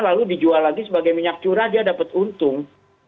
lalu dijual lagi sebagai minyak curah dia dapat untung